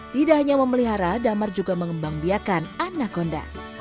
tidak hanya memelihara damar juga mengembang biakan anaconda